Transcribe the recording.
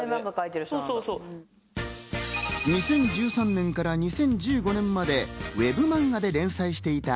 ２０１３年から２０１５年までＷＥＢ漫画で連載していた『２ＤＫ』。